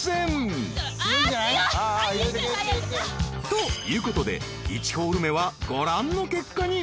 ［ということで１ホール目はご覧の結果に］